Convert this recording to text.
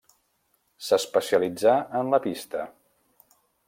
S'especialitzà en la pista.